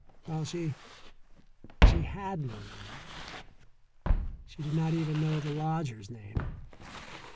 While she she had no name, she did not even know the lodger's name.